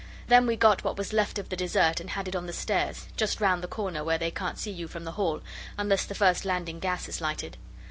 Then we got what was left of the dessert, and had it on the stairs just round the corner where they can't see you from the hall, unless the first landing gas is lighted.